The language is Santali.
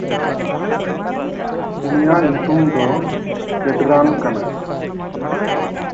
ᱩᱱᱤᱭᱟᱜ ᱧᱩᱛᱩᱢ ᱫᱚ ᱠᱮᱰᱨᱟᱱ ᱠᱟᱱᱟ᱾